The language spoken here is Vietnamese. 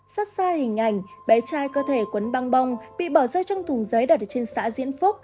xót xa hình ảnh bé trai cơ thể quấn băng bong bị bỏ rơi trong thùng giấy đặt trên xã diễn phúc